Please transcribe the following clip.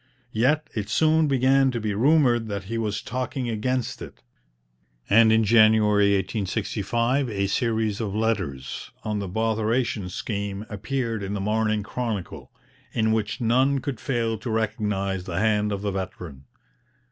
Yet it soon began to be rumoured that he was talking against it, and in January 1865 a series of letters on 'The Botheration Scheme' appeared in the Morning Chronicle, in which none could fail to recognize the hand of the veteran.